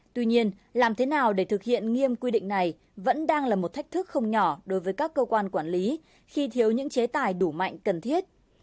tuy nhiên làm thế nào để thực hiện nghiêm quy định này vẫn đang là một thách thức không nhỏ đối với các cơ quan quản lý khi thiếu những chế tài đủ mạnh cần thiết